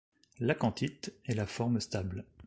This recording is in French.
L'acanthite est la forme stable.